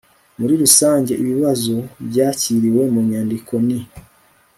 muri rusange ibibazo byakiriwe mu nyandiko ni